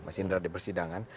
mas indra di persidangan